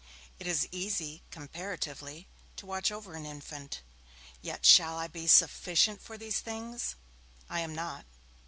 It is easy, comparatively, to watch over an infant. Yet shall I be sufficient for these things? I am not.